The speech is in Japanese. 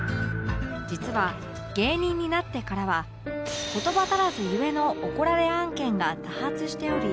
実は芸人になってからは言葉足らず故の怒られ案件が多発しており